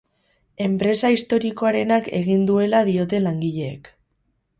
Enpresa historikoarenak egin duela diote langileek.